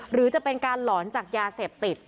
หรือจะเป็นการหลอนจากยาเสพติด